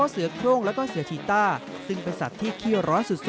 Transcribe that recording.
เสือโครงและเสือชีตาได้เป็นอย่างดีอีกด้วย